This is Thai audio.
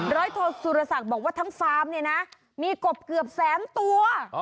ร้อยโทสุรศักดิ์บอกว่าทั้งฟาร์มเนี่ยนะมีกบเกือบแสนตัว